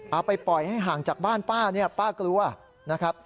เอาไปปล่อยให้ห่างจากบ้านป้าป้าก็รู้